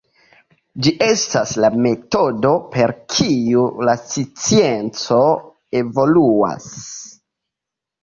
Ĝi estas la metodo per kiu la scienco evoluas.